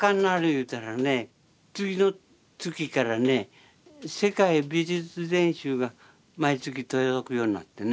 言うたらね次の月からね「世界美術全集」が毎月届くようになってね。